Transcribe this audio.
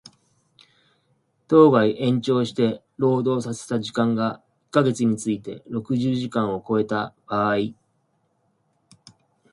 当該延長して労働させた時間が一箇月について六十時間を超えた場合